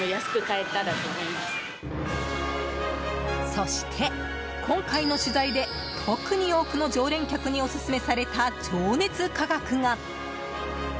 そして、今回の取材で特に多くの常連客にオススメされた情熱価格が。